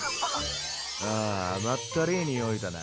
ああ甘ったりぃ匂いだな。